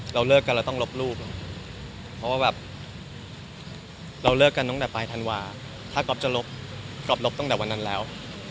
เราเลิกกันเราต้องลบรูปเพราะว่าแบบเราเลิกกันตั้งแต่ปลายธันวาถ้าก๊อฟจะลบก๊อฟลบตั้งแต่วันนั้นแล้ว